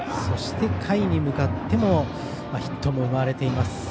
そして、下位に向かってもヒットも生まれています。